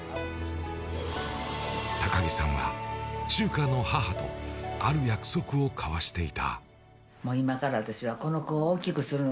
高木さんは、チューカの母とある約束を交わしていた。